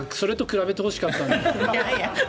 それと比べてほしかった。